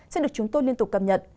sẽ được chúng tôi liên tục cập nhật